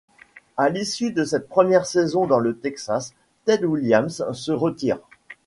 À l'issue de cette première saison dans le Texas, Ted Williams se retire.